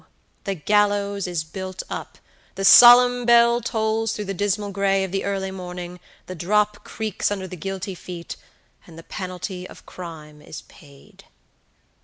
the gallows is built up; the solemn bell tolls through the dismal gray of the early morning, the drop creaks under the guilty feet, and the penalty of crime is paid."